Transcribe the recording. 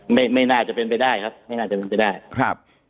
ไม่ไม่น่าจะเป็นไปได้ครับไม่น่าจะเป็นไปได้ครับ